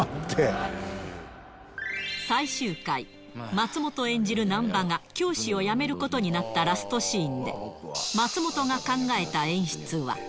最終回、松本演じる南波が教師を辞めることになったラストシーンで、松本が考えた演出は。